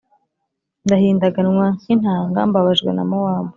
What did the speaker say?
Ndahindaganwa nk’inanga, mbabajwe na Mowabu,